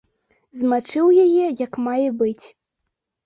Змачыў як мае быць.